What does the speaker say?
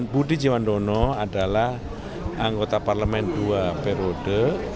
budi jiwandono adalah anggota parlemen dua periode